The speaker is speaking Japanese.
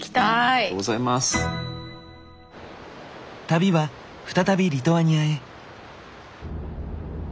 旅は再びリトアニアへ。